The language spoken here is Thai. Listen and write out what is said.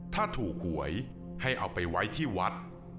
ถ้าถูกหวยให้เอาไปไว้ที่วัด